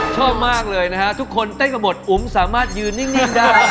ชอบมากเลยนะฮะทุกคนเต้นกันหมดอุ๋มสามารถยืนนิ่งได้